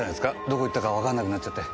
どこいったかわかんなくなっちゃって。